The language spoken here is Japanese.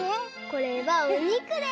これはおにくです！